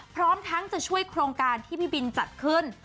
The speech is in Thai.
พร้อมทั้งจะช่วยโครงการที่พี่บินจัดขึ้น